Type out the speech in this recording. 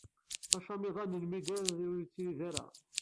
Acamiḍ-a n lmidad ur yettirid.